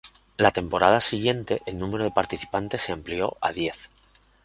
La temporada siguiente el número de participantes se amplió a diez.